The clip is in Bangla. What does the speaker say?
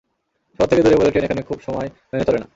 শহর থেকে দূরে বলে ট্রেন এখানে খুব সময় মেনে চলে না।